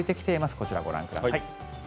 こちらご覧ください。